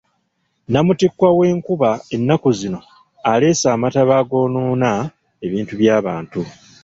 Namuttikwa w'enkuba ennaku zino aleese amataba agoonoona ebintu by'abantu.